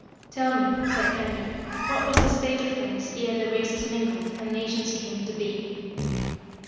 5. "Tell me," said Gangler, "what was the state of things ere the races mingled, and nations came into being."